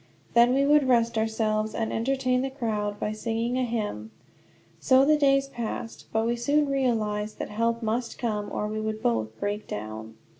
Then we would rest ourselves, and entertain the crowd, by singing a hymn. So the days passed. But we soon realized that help must come, or we would both break down.